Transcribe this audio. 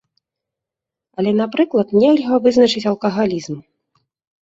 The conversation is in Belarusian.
Але, напрыклад, нельга вызначыць алкагалізм.